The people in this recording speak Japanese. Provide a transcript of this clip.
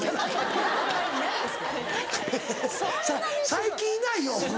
最近いないよ